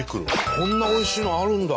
こんなおいしいのあるんだ。